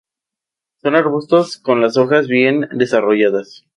Son arbustos con las hojas bien desarrolladas.